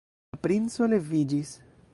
La princo leviĝis.